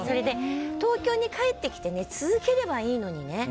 東京に帰ってきて続ければいいのにね。